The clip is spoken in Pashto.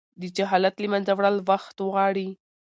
د جهالت له منځه وړل وخت غواړي.